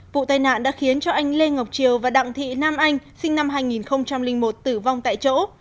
vụ tai nạn đã khiến cho anh lê ngọc triều và đặng thị nam anh sinh năm hai nghìn một tử vong tại chỗ